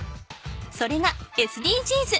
それがＳＤＧｓ。